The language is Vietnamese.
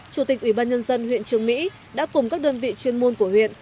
chủ tịch ủy ban nhân dân huyện trường mỹ đã cùng các đơn vị chuyên môn của huyện